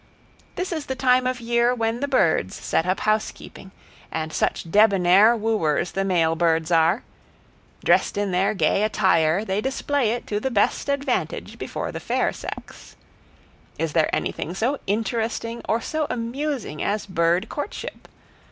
This is the time of year when the birds set up housekeeping; and such debonair wooers the male birds are! Dressed in their gay attire, they display it to the best advantage before the fair sex. Is there anything so interesting or so amusing as bird courtship?